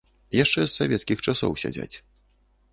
Яшчэ з савецкіх часоў сядзяць.